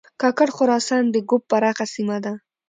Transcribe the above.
کاکړ خراسان د ږوب پراخه سیمه ده